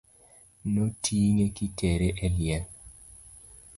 No ting'e kitere e liel.